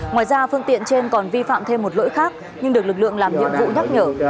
ngoài ra phương tiện trên còn vi phạm thêm một lỗi khác nhưng được lực lượng làm nhiệm vụ nhắc nhở